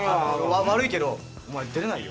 わ悪いけどお前出れないよ。